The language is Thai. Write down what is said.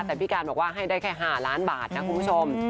แต่พี่การบอกว่าให้ได้แค่๕ล้านบาทนะคุณผู้ชม